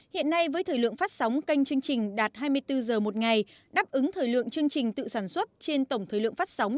hiện nay với thời lượng phát sóng kênh chương trình đạt hai mươi bốn giờ một ngày đáp ứng thời lượng chương trình tự sản xuất trên tổng thời lượng phát sóng